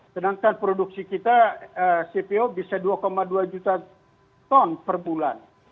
sedangkan produksi kita cpo bisa dua dua juta ton per bulan